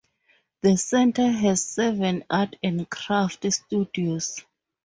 The Centre has seven art and craft studios.